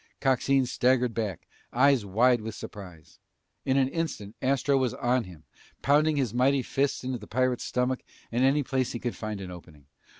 Coxine staggered back, eyes wide with surprise. In an instant Astro was on him, pounding his mighty fists into the pirate's stomach and any place he could find an opening.